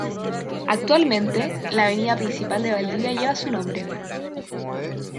Actualmente, la avenida principal de Valdivia lleva su nombre.